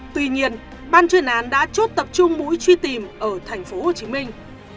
tuy nhiên ban chuyên án đã chốt tập trung mũi truy tìm ở thành phố hồ chí minh